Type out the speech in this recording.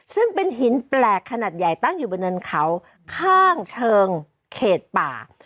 ซึ่งเป็นหินแปลกขนาดใหญ่ตั้งอยู่บนเนินเขาข้างเชิงเขตป่า